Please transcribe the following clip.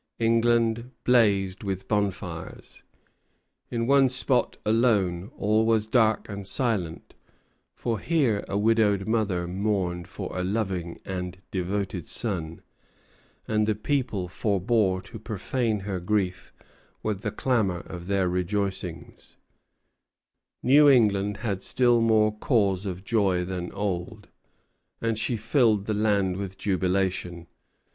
England blazed with bonfires. In one spot alone all was dark and silent; for here a widowed mother mourned for a loving and devoted son, and the people forbore to profane her grief with the clamor of their rejoicings. Walpole, Memoirs of George II., II. 384. New England had still more cause of joy than Old, and she filled the land with jubilation.